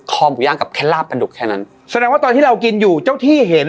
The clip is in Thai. หมูย่างกับแค่ลาบปลาดุกแค่นั้นแสดงว่าตอนที่เรากินอยู่เจ้าที่เห็น